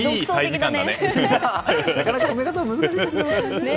なかなか褒め方難しいですよね。